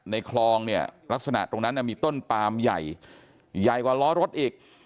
คลองเนี่ยลักษณะตรงนั้นมีต้นปามใหญ่ใหญ่กว่าล้อรถอีก